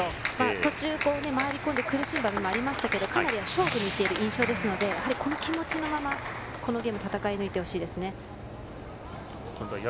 途中回り込んで苦しい場面もありましたが勝負にいっている印象ですのでこの気持ちのままこのゲーム戦い抜いてほしいです。